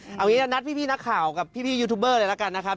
เอางี้เรานัดพี่นักข่าวกับพี่ยูทูบเบอร์เลยละกันนะครับ